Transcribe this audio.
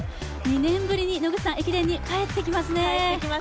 ２年ぶりに駅伝に帰ってきますね。